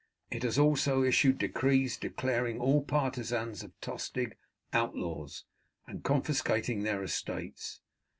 It has also issued decrees declaring all partisans of Tostig outlaws, and confiscating their estates.